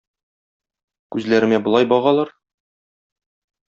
Күзләремә болай багалар?